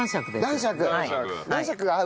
男爵が合うんだ？